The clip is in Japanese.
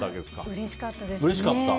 うれしかったですね。